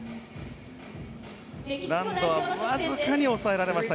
難度はわずかに抑えられました。